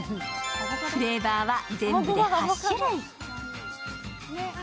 フレーバーは全部で８種類。